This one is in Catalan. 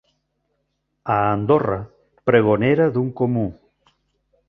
A Andorra, pregonera d'un comú.